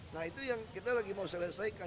nah itu yang kita lagi mau selesaikan